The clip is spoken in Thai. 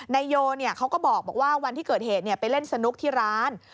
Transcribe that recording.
นายโยเขาก็บอกว่าวันที่เกิดเหตุไปเล่นสนุกที่ร้าน